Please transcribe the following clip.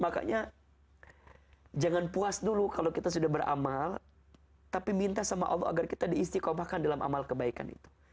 makanya jangan puas dulu kalau kita sudah beramal tapi minta sama allah agar kita diistikomahkan dalam amal kebaikan itu